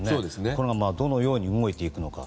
今後どのように動いていくのか。